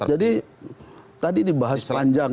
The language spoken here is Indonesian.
jadi tadi dibahas panjang